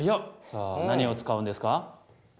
さあ何を使うんですか？